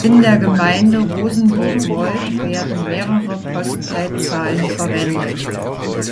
In der Gemeinde Rosenburg-Mold werden mehrere Postleitzahlen verwendet.